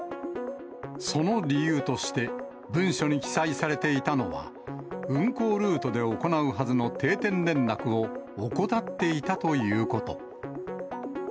その理由として、文書に記載されていたのは、運航ルートで行うはずの定点連絡を怠っていたということ。